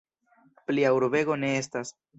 Plia urbego ne estas.